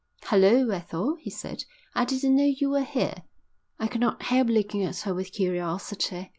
"Hulloa, Ethel," he said, "I didn't know you were here." I could not help looking at her with curiosity.